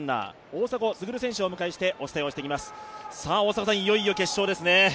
大迫さん、いよいよ決勝ですね。